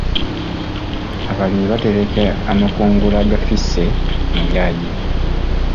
Abalimi batereka amakungula agafisse mu byagi.